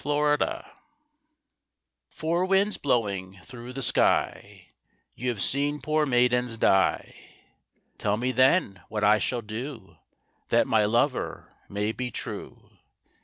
Four Winds "Four winds blowing through the sky, You have seen poor maidens die, Tell me then what I shall do That my lover may be true."